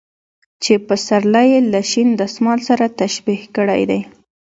چې پسرلى يې له شين دسمال سره تشبيه کړى دى .